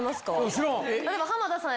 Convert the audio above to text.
知らん。